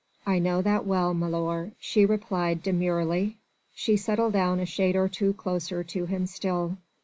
"I know that well, milor," she replied demurely. She settled down a shade or two closer to him still.